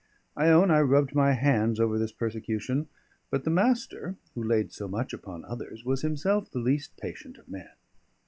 I own I rubbed my hands over this persecution; but the Master, who laid so much upon others, was himself the least patient of men.